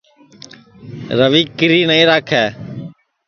روی کیری نائی راکھے